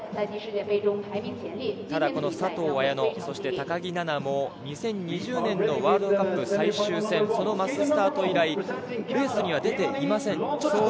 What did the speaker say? ただ、佐藤綾乃、高木菜那も２０２０年のワールドカップ最終戦、そのマススタート以来、レースには出ていません。